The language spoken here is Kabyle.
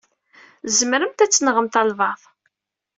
Tzemremt ad tenɣemt albaɛḍ.